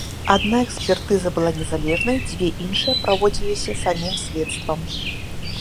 Адна экспертыза была незалежнай, дзве іншыя праводзіліся самім следствам.